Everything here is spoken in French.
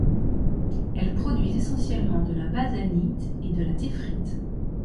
Elles produisent essentiellement de la basanite et de la téphrite.